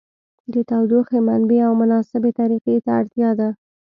د تودوخې منبع او مناسبې طریقې ته اړتیا ده.